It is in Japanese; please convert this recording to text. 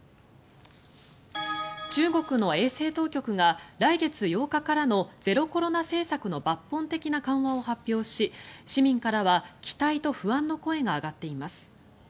中国の衛生当局が来月８日からのゼロコロナ政策の抜本的な緩和を発表し市民からは期待と不安の声が上がっています。